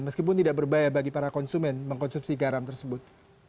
meskipun tidak berbahaya bagi para konsumen mengkonsumsi garam tersebut